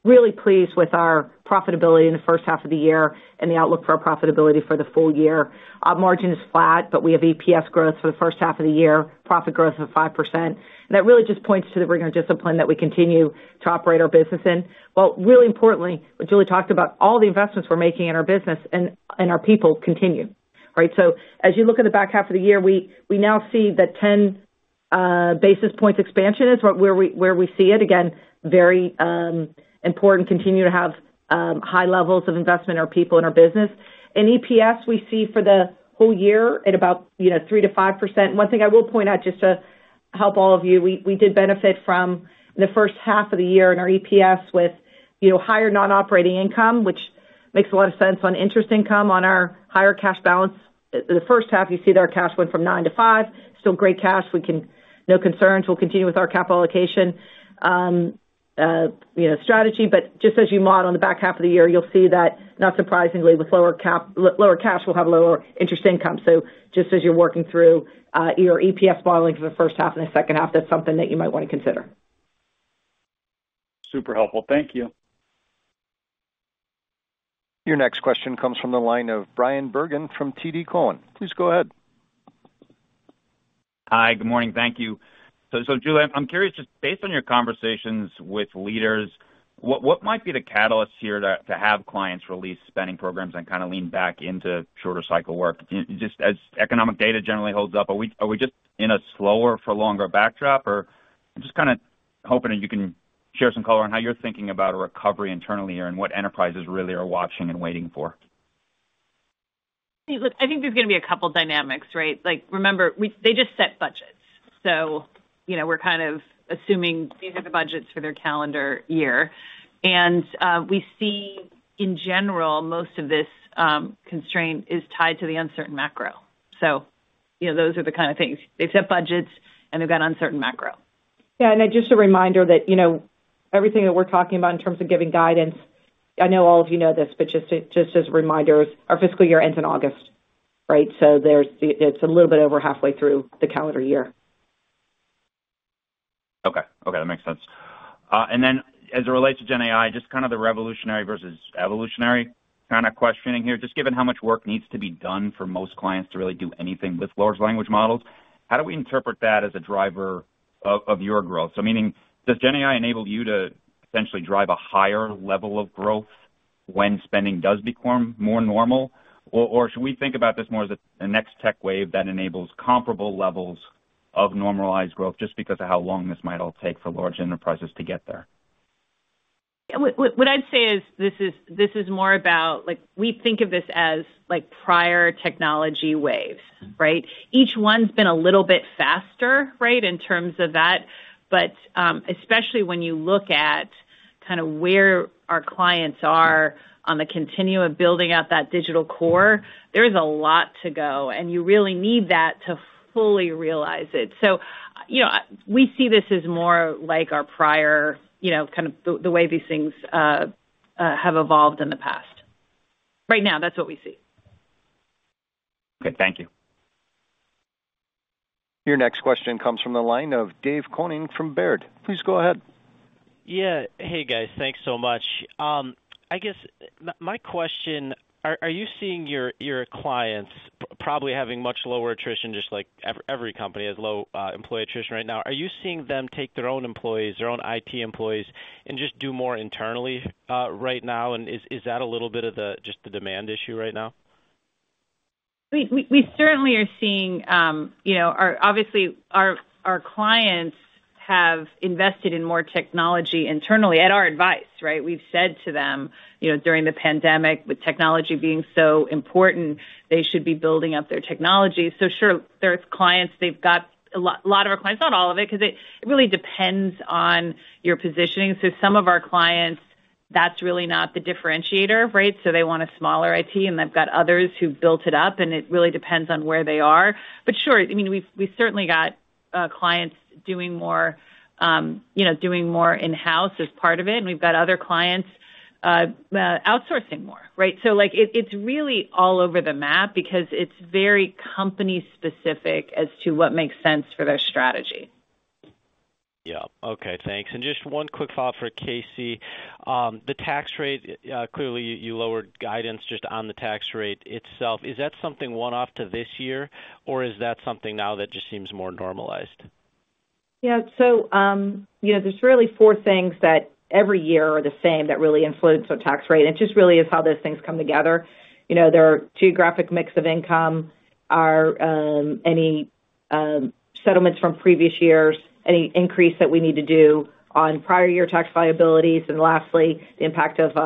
really pleased with our profitability in the first half of the year and the outlook for our profitability for the full year. Our margin is flat, but we have EPS growth for the first half of the year, profit growth of 5%. That really just points to the rigor and discipline that we continue to operate our business in. Well, really importantly, what Julie talked about, all the investments we're making in our business and our people continue, right? As you look at the back half of the year, we now see that 10 basis points expansion is where we see it. Again, very important to continue to have high levels of investment in our people and our business. In EPS, we see for the whole year about 3%-5%. One thing I will point out just to help all of you, we did benefit from the first half of the year in our EPS with higher non-operating income, which makes a lot of sense on interest income, on our higher cash balance. The first half, you see that our cash went from $9 billion-$5 billion. Still great cash. No concerns. We'll continue with our capital allocation strategy. But just as you model in the back half of the year, you'll see that, not surprisingly, with lower cash, we'll have lower interest income. So just as you're working through your EPS modeling for the first half and the second half, that's something that you might want to consider. Super helpful. Thank you. Your next question comes from the line of Bryan Bergin from TD Cowen. Please go ahead. Hi. Good morning. Thank you. So Julie, I'm curious, just based on your conversations with leaders, what might be the catalyst here to have clients release spending programs and kind of lean back into shorter cycle work? Just as economic data generally holds up, are we just in a slower-for-longer backdrop? Or I'm just kind of hoping that you can share some color on how you're thinking about a recovery internally here and what enterprises really are watching and waiting for. I think there's going to be a couple of dynamics, right? Remember, they just set budgets. So we're kind of assuming these are the budgets for their calendar year. And we see, in general, most of this constraint is tied to the uncertain macro. So those are the kind of things. They've set budgets, and they've got uncertain macro. Yeah. Just a reminder that everything that we're talking about in terms of giving guidance, I know all of you know this, but just as reminders, our fiscal year ends in August, right? So it's a little bit over halfway through the calendar year. Okay. Okay. That makes sense. And then as it relates to GenAI, just kind of the revolutionary versus evolutionary kind of questioning here, just given how much work needs to be done for most clients to really do anything with large language models, how do we interpret that as a driver of your growth? So meaning, does GenAI enable you to essentially drive a higher level of growth when spending does become more normal? Or should we think about this more as the next tech wave that enables comparable levels of normalized growth just because of how long this might all take for large enterprises to get there? What I'd say is this is more about we think of this as prior technology waves, right? Each one's been a little bit faster, right, in terms of that. But especially when you look at kind of where our clients are on the continuum of building out that digital core, there is a lot to go. And you really need that to fully realize it. So we see this as more like our prior kind of the way these things have evolved in the past. Right now, that's what we see. Okay. Thank you. Your next question comes from the line of Dave Koning from Baird. Please go ahead. Yeah. Hey, guys. Thanks so much. I guess my question, are you seeing your clients probably having much lower attrition? Just like every company has low employee attrition right now. Are you seeing them take their own employees, their own IT employees, and just do more internally right now? And is that a little bit of just the demand issue right now? We certainly are seeing obviously, our clients have invested in more technology internally at our advice, right? We've said to them during the pandemic, with technology being so important, they should be building up their technology. So sure, there are clients. They've got a lot of our clients, not all of it, because it really depends on your positioning. So some of our clients, that's really not the differentiator, right? So they want a smaller IT. And they've got others who built it up. And it really depends on where they are. But sure, I mean, we've certainly got clients doing more in-house as part of it. And we've got other clients outsourcing more, right? So it's really all over the map because it's very company-specific as to what makes sense for their strategy. Yeah. Okay. Thanks. Just one quick follow-up for KC. The tax rate, clearly, you lowered guidance just on the tax rate itself. Is that something one-off to this year? Or is that something now that just seems more normalized? Yeah. So there's really four things that every year are the same that really influence our tax rate. And it just really is how those things come together. Their geographic mix of income, any settlements from previous years, any increase that we need to do on prior-year tax liabilities. And lastly, the impact of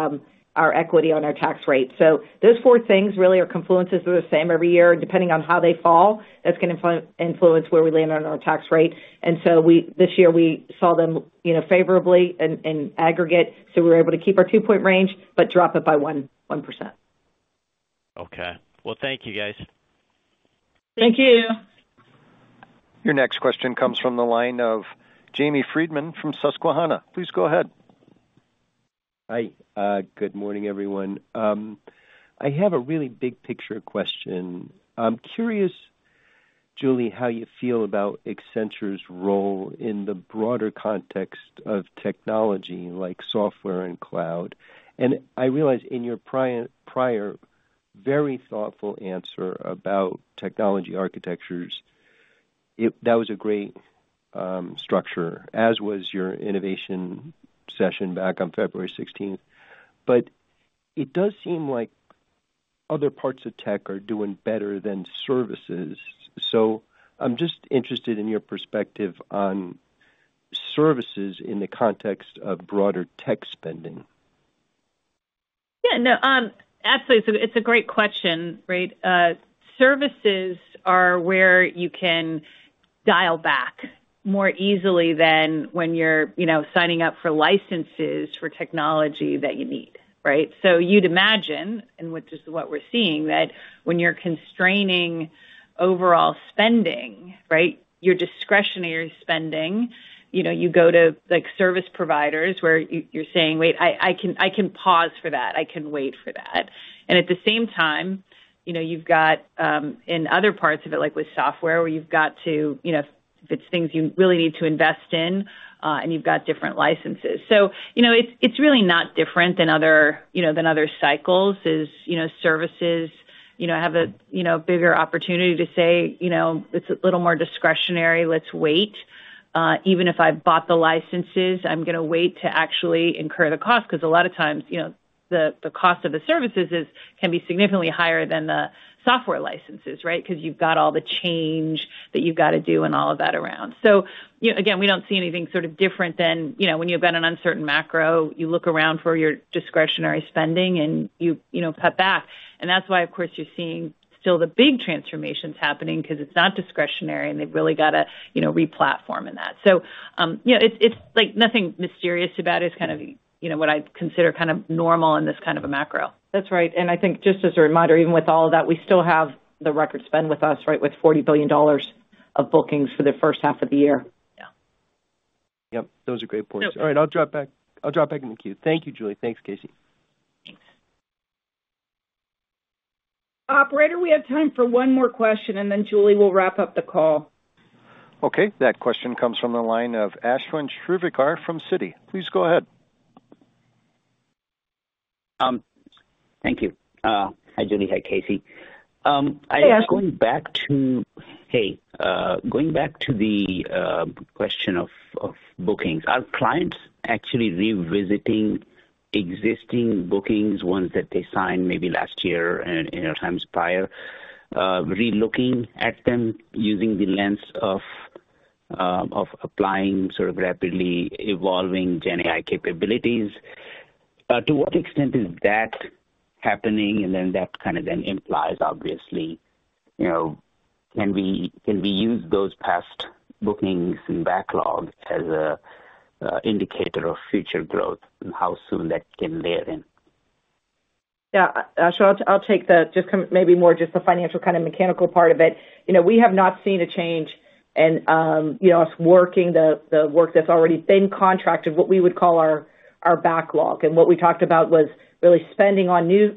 our equity on our tax rate. So those four things really are confluences that are the same every year. Depending on how they fall, that's going to influence where we land on our tax rate. And so this year, we saw them favorably in aggregate. So we were able to keep our 2-point range but drop it by 1%. Okay. Well, thank you, guys. Thank you. Your next question comes from the line of Jamie Friedman from Susquehanna. Please go ahead. Hi. Good morning, everyone. I have a really big-picture question. I'm curious, Julie, how you feel about Accenture's role in the broader context of technology like software and cloud. And I realize in your prior, very thoughtful answer about technology architectures, that was a great structure, as was your innovation session back on February 16th. But it does seem like other parts of tech are doing better than services. So I'm just interested in your perspective on services in the context of broader tech spending. Yeah. No. Absolutely. So it's a great question, right? Services are where you can dial back more easily than when you're signing up for licenses for technology that you need, right? So you'd imagine, and which is what we're seeing, that when you're constraining overall spending, right, your discretionary spending, you go to service providers where you're saying, "Wait, I can pause for that. I can wait for that." And at the same time, you've got in other parts of it, like with software, where you've got to if it's things you really need to invest in, and you've got different licenses. So it's really not different than other cycles is services have a bigger opportunity to say, "It's a little more discretionary. Let's wait. Even if I bought the licenses, I'm going to wait to actually incur the cost." Because a lot of times, the cost of the services can be significantly higher than the software licenses, right, because you've got all the change that you've got to do and all of that around. So again, we don't see anything sort of different than when you've got an uncertain macro, you look around for your discretionary spending, and you cut back. And that's why, of course, you're seeing still the big transformations happening because it's not discretionary, and they've really got to replatform in that. So it's nothing mysterious about it. It's kind of what I consider kind of normal in this kind of a macro. That's right. And I think just as a reminder, even with all of that, we still have the record spend with us, right, with $40 billion of bookings for the first half of the year. Yeah. Yep. Those are great points. All right. I'll drop back in the queue. Thank you, Julie. Thanks, KC. Thanks. Operator, we have time for one more question, and then Julie will wrap up the call. Okay. That question comes from the line of Ashwin Shirvaikar from Citi. Please go ahead. Thank you. Hi, Julie. Hi, KC. I was going back to, going back to the question of bookings. Are clients actually revisiting existing bookings, ones that they signed maybe last year and at times prior, relooking at them using the lens of applying sort of rapidly evolving GenAI capabilities? To what extent is that happening? And then that kind of implies, obviously, can we use those past bookings and backlog as an indicator of future growth and how soon that can layer in? Yeah. Ashwin, I'll take that, maybe more just the financial kind of mechanical part of it. We have not seen a change in us working the work that's already been contracted, what we would call our backlog. And what we talked about was really spending on new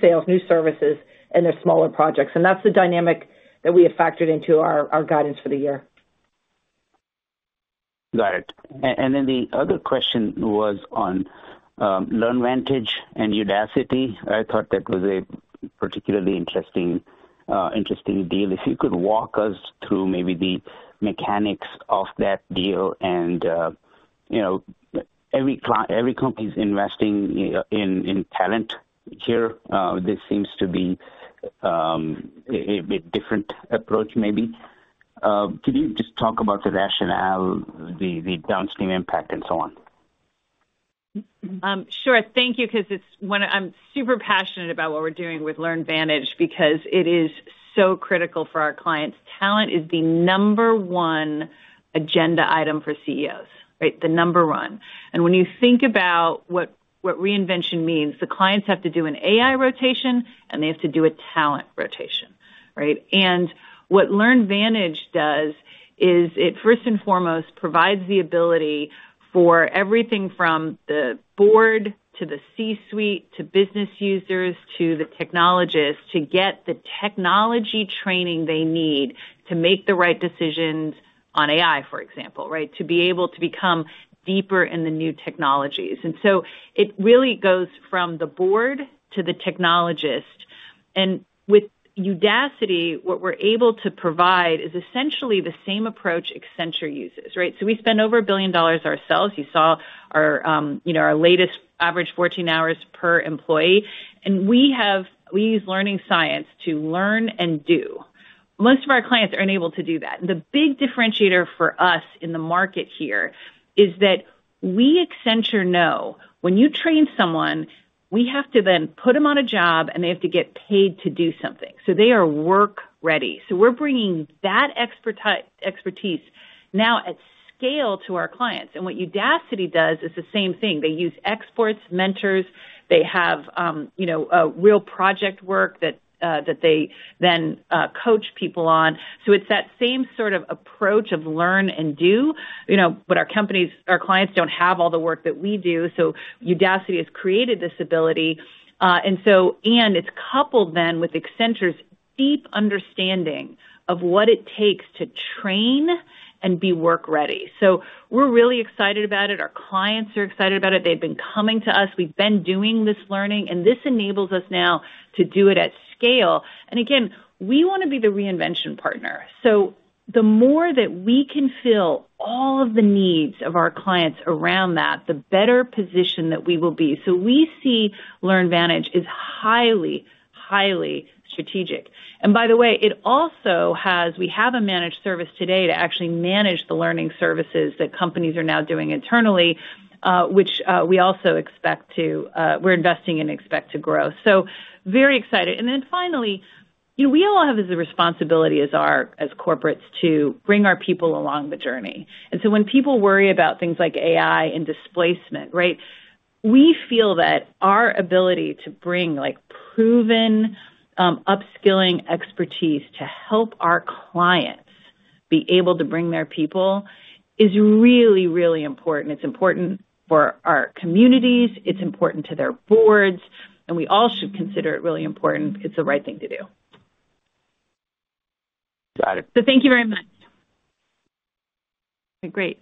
sales, new services, and their smaller projects. And that's the dynamic that we have factored into our guidance for the year. Got it. And then the other question was on LearnVantage and Udacity. I thought that was a particularly interesting deal. If you could walk us through maybe the mechanics of that deal. And every company's investing in talent here. This seems to be a bit different approach, maybe. Can you just talk about the rationale, the downstream impact, and so on? Sure. Thank you because I'm super passionate about what we're doing with LearnVantage because it is so critical for our clients. Talent is the number one agenda item for CEOs, right, the number one. And when you think about what reinvention means, the clients have to do an AI rotation, and they have to do a talent rotation, right? And what LearnVantage does is it, first and foremost, provides the ability for everything from the board to the C-suite to business users to the technologists to get the technology training they need to make the right decisions on AI, for example, right, to be able to become deeper in the new technologies. And so it really goes from the board to the technologist. And with Udacity, what we're able to provide is essentially the same approach Accenture uses, right? So we spend over $1 billion ourselves. You saw our latest average 14 hours per employee. And we use learning science to learn and do. Most of our clients are unable to do that. The big differentiator for us in the market here is that we, Accenture, know when you train someone, we have to then put them on a job, and they have to get paid to do something. So they are work-ready. So we're bringing that expertise now at scale to our clients. And what Udacity does is the same thing. They use experts, mentors. They have real project work that they then coach people on. So it's that same sort of approach of learn and do. But our clients don't have all the work that we do. So Udacity has created this ability. And it's coupled then with Accenture's deep understanding of what it takes to train and be work-ready. So we're really excited about it. Our clients are excited about it. They've been coming to us. We've been doing this learning. And this enables us now to do it at scale. And again, we want to be the reinvention partner. So the more that we can fill all of the needs of our clients around that, the better position that we will be. So we see LearnVantage is highly, highly strategic. And by the way, we have a managed service today to actually manage the learning services that companies are now doing internally, which we also expect to we're investing in and expect to grow. So very excited. And then finally, we all have as a responsibility as corporates to bring our people along the journey. And so when people worry about things like AI and displacement, right, we feel that our ability to bring proven upskilling expertise to help our clients be able to bring their people is really, really important. It's important for our communities. It's important to their boards. And we all should consider it really important. It's the right thing to do. Got it. Thank you very much. Okay. Great.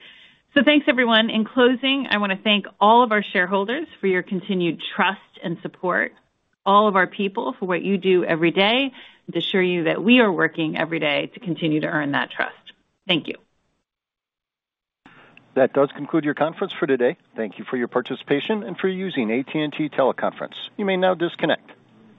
Thanks, everyone. In closing, I want to thank all of our shareholders for your continued trust and support, all of our people for what you do every day, and to assure you that we are working every day to continue to earn that trust. Thank you. That does conclude your conference for today. Thank you for your participation and for using AT&T Teleconference. You may now disconnect.